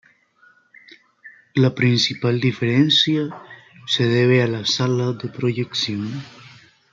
La principal diferencia se debe a la Sala de proyección.